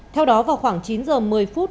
theo đó vào khoảng chín giờ một mươi phút